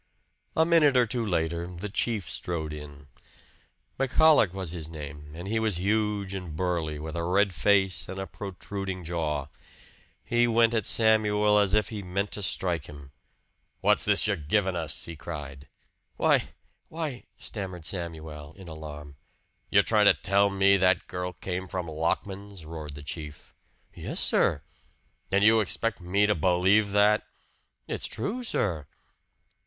A minute or two later "the chief" strode in. McCullagh was his name and he was huge and burly, with a red face and a protruding jaw. He went at Samuel as if he meant to strike him. "What's this you're givin' us?" he cried. "Why why " stammered Samuel, in alarm. "You're tryin' to tell me that girl came from Lockman's?" roared the chief. "Yes, sir!" "And you expect me to believe that?" "It's true, sir!"